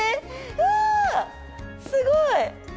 うわすごい。